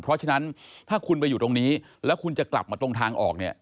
เพราะฉะนั้นถ้าคุณไปอยู่ตรงนี้แล้วคุณจะกลับมาตรงทางออกเนี่ย